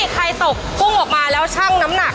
ใครตกพุ่งออกมาแล้วชั่งน้ำหนัก